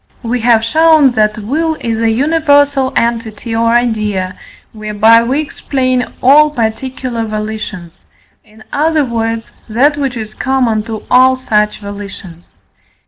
We have shown that will is a universal entity or idea, whereby we explain all particular volitions in other words, that which is common to all such volitions.